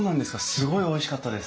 すごいおいしかったです。